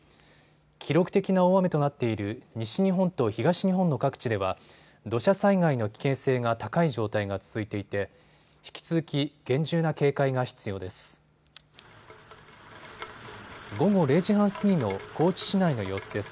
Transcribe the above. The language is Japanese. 記録的な大雨となっている西日本と東日本の各地では土砂災害の危険性が高い状態が続いていて引き続き厳重な警戒が必要です。